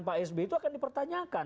pak sby itu akan dipertanyakan